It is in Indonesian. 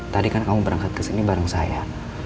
tadi kan kamu berangkat kesini bareng saya